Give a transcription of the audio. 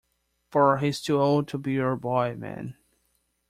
For he's too old to be your boy, ma'am.